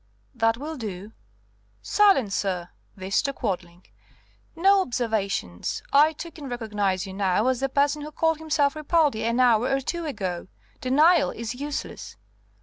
"That will do. Silence, sir!" This to Quadling. "No observations. I too can recognize you now as the person who called himself Ripaldi an hour or two ago. Denial is useless.